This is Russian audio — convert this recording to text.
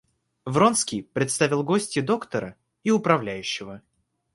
Вронский представил гостье доктора и управляющего.